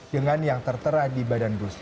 dengan yang tertera di badan bus